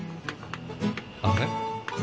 あれ？